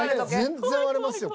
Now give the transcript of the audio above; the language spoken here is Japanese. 全然割れますよ